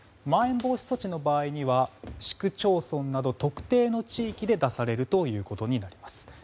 まん延防止措置の場合には市区町村など特定の地域で出されるということになります。